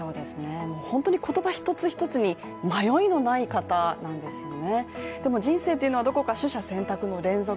本当に言葉一つ一つに迷いのない方なんですよね。